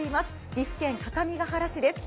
岐阜県各務原市です。